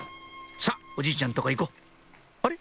さぁおじいちゃんのとこ行こうあれ？